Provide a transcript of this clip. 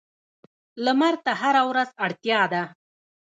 لمر ته هره ورځ اړتیا ده.